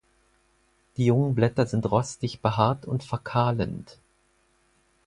Die jungen Blätter sind rostig behaart und verkahlend.